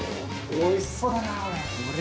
おいしそうだなこれ。